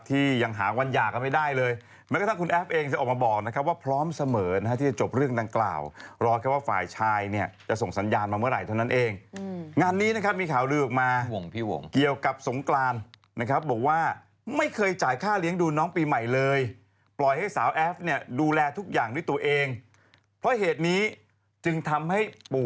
ที่ยังหาวันหย่ากันไม่ได้เลยแม้กระทั่งคุณแอฟเองจะออกมาบอกนะครับว่าพร้อมเสมอนะฮะที่จะจบเรื่องดังกล่าวรอแค่ว่าฝ่ายชายเนี่ยจะส่งสัญญาณมาเมื่อไหร่เท่านั้นเองงานนี้นะครับมีข่าวลือออกมาเกี่ยวกับสงกรานนะครับบอกว่าไม่เคยจ่ายค่าเลี้ยงดูน้องปีใหม่เลยปล่อยให้สาวแอฟเนี่ยดูแลทุกอย่างด้วยตัวเองเพราะเหตุนี้จึงทำให้ปู่